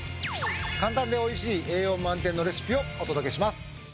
簡単で美味しい栄養満点のレシピをお届けします。